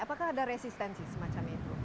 apakah ada resistensi semacam itu